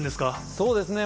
そうですね。